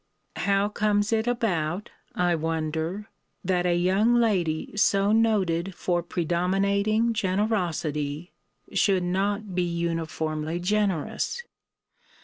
How comes it about, I wonder, that a young lady so noted for predominating generosity, should not be uniformly generous?